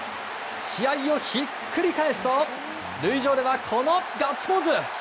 試合をひっくり返すと塁上では、このガッツポーズ！